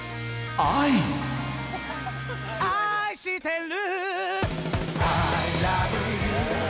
「愛してる」